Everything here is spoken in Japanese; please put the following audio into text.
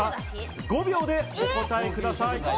５秒でお答えください。